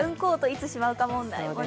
いつしまうか問題。